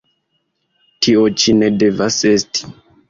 Tio ĉi ne devas esti!